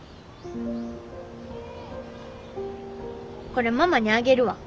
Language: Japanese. これママにあげるわ。